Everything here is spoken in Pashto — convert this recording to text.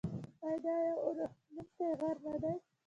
آیا دا یو اورښیندونکی غر نه دی؟